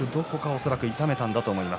恐らくどこか痛めたんだと思います。